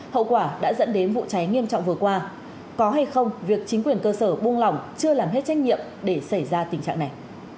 hậu quả đã dẫn đến vụ cháy nghiêm trọng vừa qua có hay không việc chính quyền cơ sở buông lỏng chưa làm hết trách nhiệm để xảy ra tình trạng này